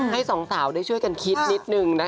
สองสาวได้ช่วยกันคิดนิดนึงนะคะ